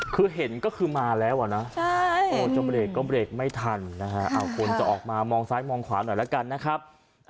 คือเห็นก็คือมาแล้วอ่ะนะจะเบรกก็เบรกไม่ทันนะฮะคนจะออกมามองซ้ายมองขวาหน่อยแล้วกันนะครับ